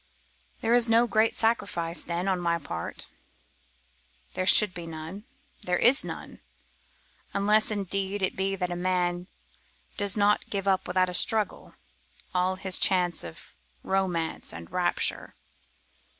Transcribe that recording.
There is no great sacrifice, then, on my part; there should be none; there is none; unless indeed it be that a man does not like to give up without a struggle all his chance of romance and rapture.